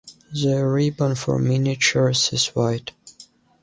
The ribbon for miniatures is wide.